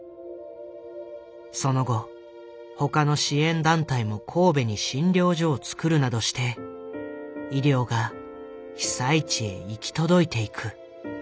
その後他の支援団体も神戸に診療所を作るなどして医療が被災地へ行き届いていく。